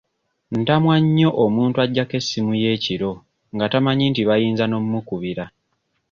Ntamwa nnyo omuntu aggyako essimu ye ekiro nga tamanyi nti bayinza n'ommubikira.